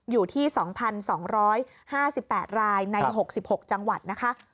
อยู่ที่๒๒๕๘รายใน๖๖จังหวัดนะคะ